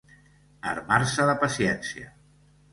Armar-se de paciència.